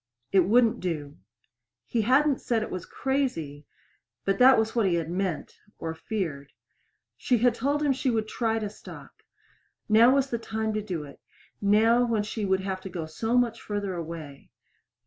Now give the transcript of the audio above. It wouldn't do. He hadn't said it was crazy, but that was what he meant or feared. She had told him she would try to stop. Now was the time to do it now when she would have to go so much farther away.